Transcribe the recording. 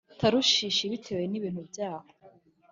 Tarushishi bitewe n ibintu byaho